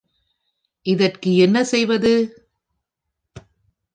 இதற்கு என்ன செய்வது?